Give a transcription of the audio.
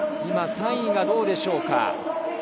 ３位はどうでしょうか？